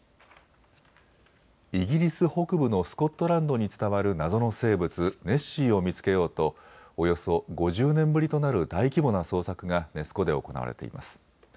イギリス北部のスコットランドに伝わる謎の生物、ネッシーを見つけようとおよそ５０年ぶりとなる大規模な捜索がネス湖で行われています。